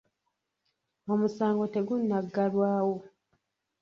Omusango tegunaggalwawo.